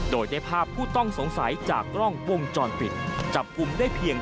โดยได้ภาพผู้ต้องสงสัยจากกล้องวงจรปิดจับกลุ่มได้เพียง